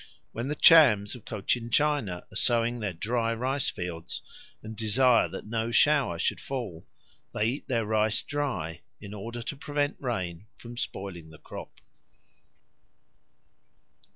When the Chams of Cochinchina are sowing their dry rice fields and desire that no shower should fall, they eat their rice dry in order to prevent rain from spoiling the crop.